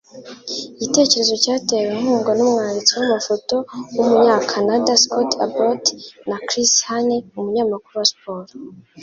Igitekerezo cyatewe inkunga n'umwanditsi w'amafoto w'umunyakanada Scott Abott na Chris Haney, umunyamakuru wa siporo.